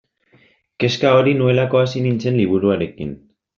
Kezka hori nuelako hasi nintzen liburuarekin.